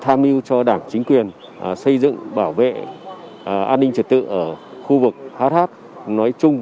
tham mưu cho đảng chính quyền xây dựng bảo vệ an ninh trật tự ở khu vực hh nói chung